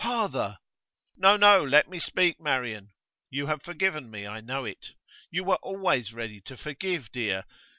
'Father ' 'No, no; let me speak, Marian. You have forgiven me; I know it. You were always ready to forgive, dear.